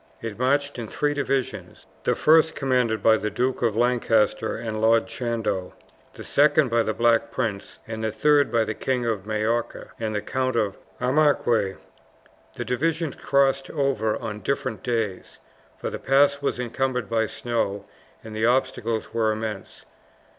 It marched in three divisions, the first commanded by the Duke of Lancaster and Lord Chandos, the second by the Black Prince, the third by the King of Majorca and the Count of Armaguac. The divisions crossed over on different days, for the pass was encumbered by snow and the obstacles were immense.